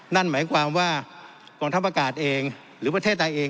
นั่นหมายความว่ากองทัพอากาศเองหรือประเทศไทยเอง